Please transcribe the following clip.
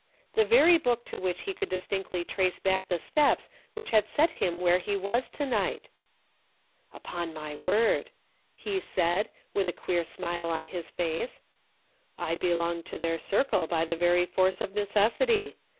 The very book to which he could distinctly trace back the steps which had set him where he was to night !" Upon my word," he said, with a queer smile on his face, " I belong to their circle by the very force of necessity